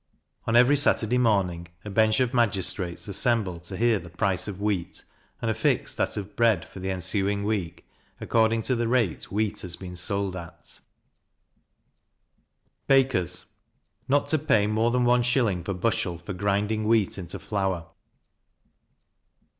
On every Saturday morning, a bench of magistrates assemble to hear the price of wheat, and affix that of bread for the ensuing week, according to the rate wheat has been sold at.] Bakers not to pay more than one shilling per bushel for grinding wheat into flour.